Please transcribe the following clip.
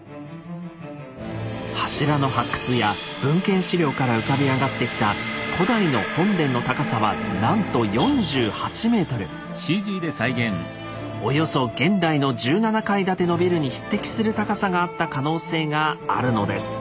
柱の発掘や文献史料から浮かび上がってきた古代の本殿の高さはなんとおよそ現代の１７階建てのビルに匹敵する高さがあった可能性があるのです。